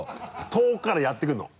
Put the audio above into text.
遠くからやってくるの。